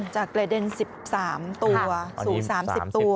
จากประเด็นสิบสามตัวสู่สามสิบตัว